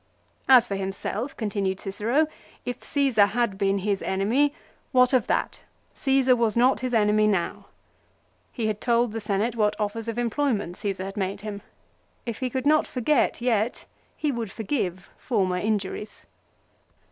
1 As for himself, continued Cicero, if Csesar had been his enemy, what of that, Csesar was not his enemy now. He had told the Senate what offers of employment Csesar had made him. If he could not forget yet he would forgive former injuries.